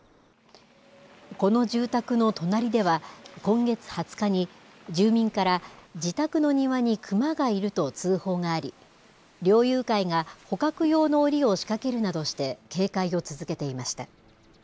この住宅の隣では、今月２０日に住民から自宅の庭にクマがいると通報があり、猟友会が捕獲用のおりを仕掛けるなどして、警戒を続けていました。